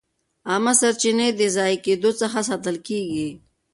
عامه سرچینې د ضایع کېدو څخه ساتل کېږي.